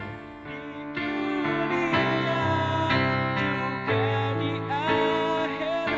itu dia yang juga di akhirat